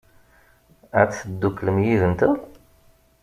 Ad tedduklem yid-nteɣ?